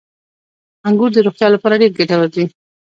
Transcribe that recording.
• انګور د روغتیا لپاره ډېر ګټور دي.